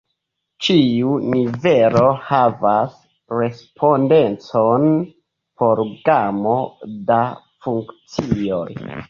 Ĉiu nivelo havas respondecon por gamo da funkcioj.